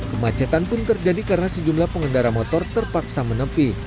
kemacetan pun terjadi karena sejumlah pengendara motor terpaksa menepi